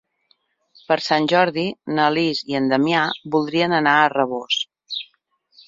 Per Sant Jordi na Lis i en Damià voldrien anar a Rabós.